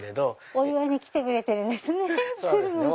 お祝いに来てくれてるんですね